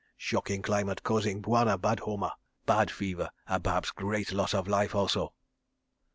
Shocking climate causing Bwana bad homa, bad fever, and perhaps great loss of life also.